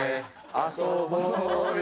遊ぼうよ